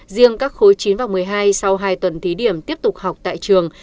riêng các khối chín và một mươi hai sau hai tuần thí điểm tiếp tục học tại trường